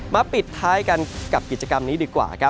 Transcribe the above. ปิดท้ายกันกับกิจกรรมนี้ดีกว่าครับ